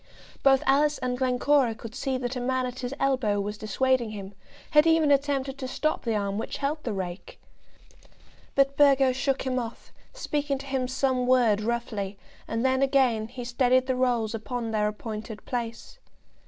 Both Alice and Glencora could see that a man at his elbow was dissuading him, had even attempted to stop the arm which held the rake. But Burgo shook him off, speaking to him some word roughly, and then again he steadied the rolls upon their appointed place.